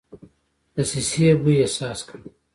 دسیسې بوی احساس کړ.